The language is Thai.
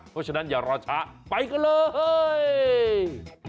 เพราะฉะนั้นอย่ารอช้าไปกันเลย